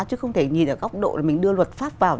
chứ không thể nhìn ở góc độ để mình đưa luật pháp vào